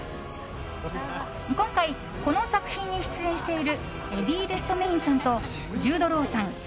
今回この作品に出演しているエディ・レッドメインさんとジュード・ロウさん